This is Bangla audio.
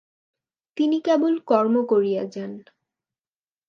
তিনি কেবল কর্ম করিয়া যান।